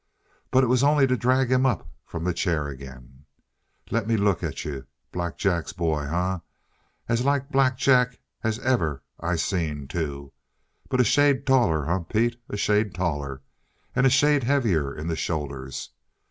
But it was only to drag him up from the chair again. "Lemme look at you! Black Jack's boy! As like Black Jack as ever I seen, too. But a shade taller. Eh, Pete? A shade taller. And a shade heavier in the shoulders.